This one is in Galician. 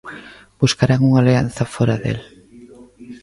Buscarán unha alianza fóra del.